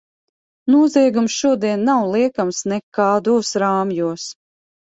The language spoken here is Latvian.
Noziegums šodien nav liekams nekādos rāmjos.